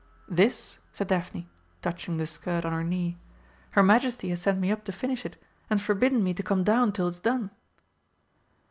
"This," said Daphne, touching the skirt on her knee. "Her Majesty has sent me up to finish it, and forbidden me to come down till it's done."